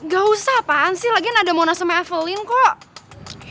gak usah apaan sih lagi ada mona sama evelyn kok